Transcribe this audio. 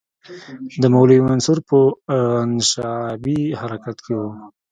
د مولوي منصور په انشعابي حرکت کې وو.